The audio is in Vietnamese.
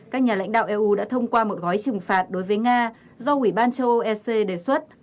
các nhà lãnh đạo eu đã thông qua một gói trừng phạt đối với nga do ủy ban châu âu ec đề xuất